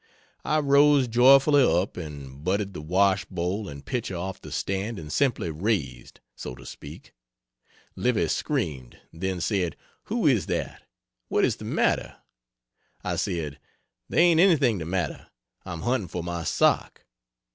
I rose joyfully up and butted the wash bowl and pitcher off the stand and simply raised so to speak. Livy screamed, then said, "Who is that? what is the matter?" I said "There ain't anything the matter I'm hunting for my sock."